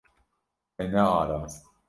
Te nearast.